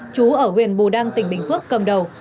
chú ở huyện bù đăng tỉnh bình phước cầm đầu